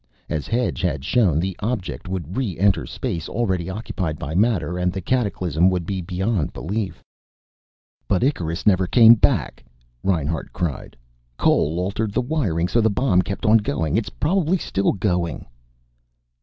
As Hedge had shown, the object would re enter space already occupied by matter, and the cataclysm would be beyond belief." "But Icarus never came back," Reinhart cried. "Cole altered the wiring so the bomb kept on going. It's probably still going."